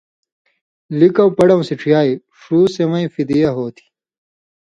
لِکؤں پڑؤں سِچھیائ۔ ݜُو سِوَیں فِدیہ ہوتھی۔